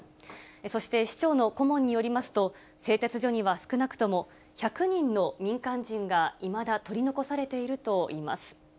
そして、市長の顧問によりますと、製鉄所には、少なくとも１００人の民間人がいまだ取り残されているといいます。